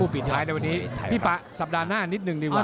พี่ปะสัปดาห์หน้านิดนึงดีวะ